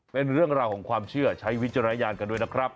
เป็นเรื่องราวของความเชื่อใช้วิจารณญาณกันด้วยนะครับ